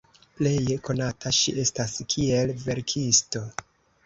Pleje konata ŝi estas kiel verkisto.